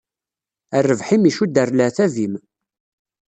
Rrbeḥ-im icudd ɣer leɛtab-im.